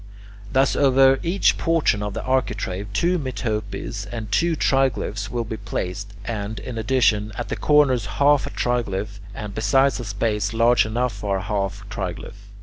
Thus, over each portion of the architrave two metopes and two triglyphs will be placed; and, in addition, at the corners half a triglyph and besides a space large enough for a half triglyph.